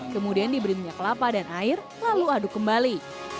kemudian diberi minyak kelapa dan air lalu aduk kembali